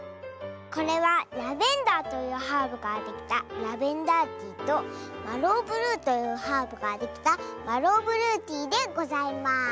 これはラベンダーというハーブからできた「ラベンダーティー」とマローブルーというハーブからできた「マローブルーティー」でございます。